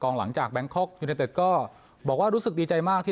กล่องหลังจากแบงคกยูไทยเต็ดบอกว่ารู้สึกดีใจมากที